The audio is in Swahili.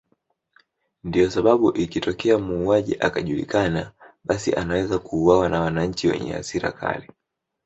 Ndio sababu ikitokea muuaji akajulikana basi anaweza kuuwawa na wanachi wenye hasra kali